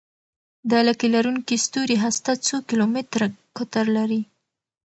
د لکۍ لرونکي ستوري هسته څو کیلومتره قطر لري.